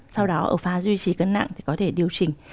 sau đó ở pha duy trì cân nặng thì có thể điều chỉnh